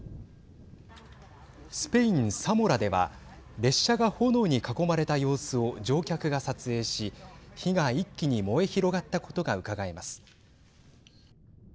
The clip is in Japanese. スペイン・サモラでは列車が炎に囲まれた様子を乗客が撮影し火が一気に燃え広がったことがうかがえます。